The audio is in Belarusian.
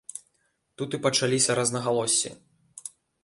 Тут і пачаліся рознагалоссі.